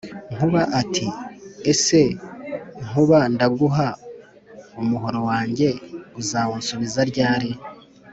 Nkuba ati: « ese Nkuba ndaguha umuhoro wanjye uzawunsubiza ryari?